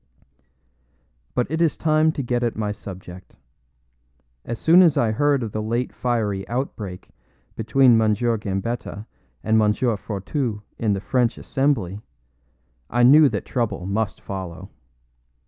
But it is time to get at my subject. As soon as I heard of the late fiery outbreak between M. Gambetta and M. Fourtou in the French Assembly, I knew that trouble must follow.